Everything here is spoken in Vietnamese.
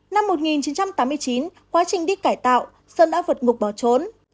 năm một nghìn chín trăm tám mươi chín quá trình đi cải tạo sơn đã vượt ngục bỏ trốn